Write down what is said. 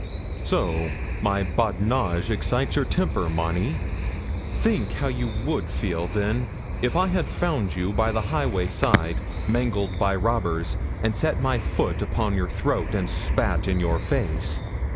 'So my badinage excites your temper, Monnie. Think how you would feel, then, if I had found you by the highway side, mangled by robbers, and set my foot upon your throat, and spat in your face.